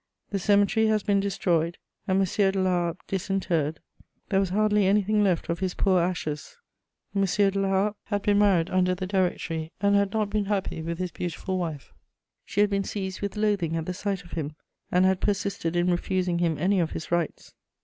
The cemetery has been destroyed and M. de La Harpe disinterred: there was hardly anything left of his poor ashes. M. de La Harpe had been married under the Directory, and had not been happy with his beautiful wife; she had been seized with loathing at the sight of him, and had persisted in refusing him any of his rights.